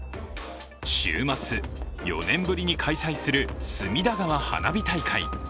週末、４年ぶりに開催する隅田川花火大会。